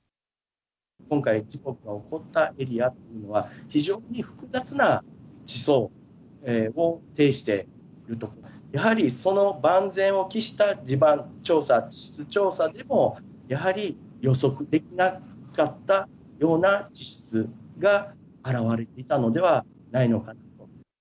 今回、事故が起こったエリアというのは、非常に複雑な地層を呈していると、やはりその万全を期した地盤調査、地質調査でも、やはり予測できなかったような地質が現れていたのではないのかと。